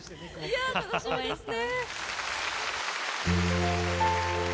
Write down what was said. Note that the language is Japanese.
いやあ楽しみですね。